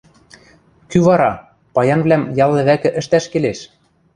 Кӱ вара: «Паянвлӓм ял лӹвӓкӹ ӹштӓш келеш